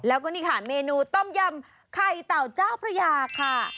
แล้วก็นี่ค่ะเมนูต้มยำไข่เต่าเจ้าพระยาค่ะ